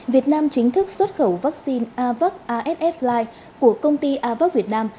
việt nam chính thức xuất khẩu vaccine avac asf li của công ty avac việt nam